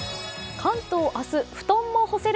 関東は明日、布団も干せる！